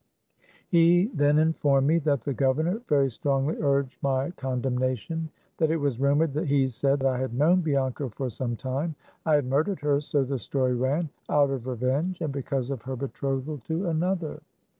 He then informed me that the governor very strongly urged my condemnation ; that it was rumored he said that I had known Bianca for some time. I had murdered her, so the story ran, out of revenge and because of her betrothal to another.